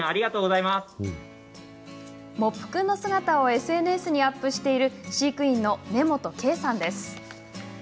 モップ君の姿をＳＮＳにアップしている飼育員の根本慧さんです。